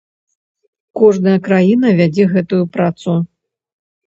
Кожная краіна вядзе гэтую працу.